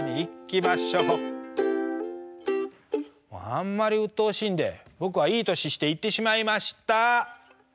あんまりうっとうしいんで僕はいい年して言ってしまいました。